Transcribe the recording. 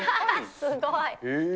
すごい。